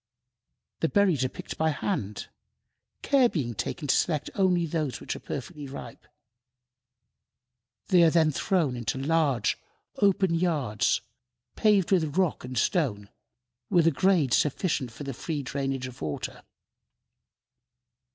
The berries are picked by hand, care being taken to select only those which are perfectly ripe. They are then thrown into large, open yards, paved with rock and stone, with a grade sufficient for the free drainage of water.